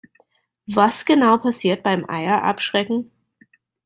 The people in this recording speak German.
Was genau passiert beim Eier abschrecken?